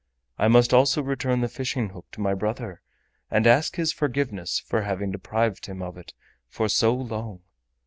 I must also return the fishing hook to my brother and ask his forgiveness for having deprived him of it for so long.